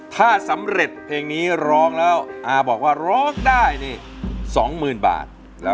ถ้าสำเร็จเพลงนี้ร้องได้๒หมื่นบาท